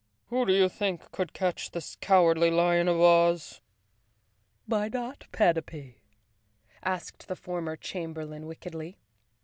"Who do you think could catch this Cowardly Lion of Oz?" "Why not Panapee?" asked the former chamberlain wickedly.